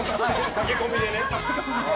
駆け込みでね。